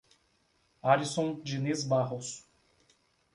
Arisson Diniz Barros